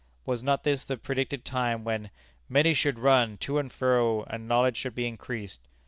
Was not this the predicted time when, "many should run to and fro, and knowledge should be increased?"